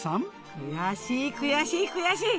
悔しい悔しい悔しい！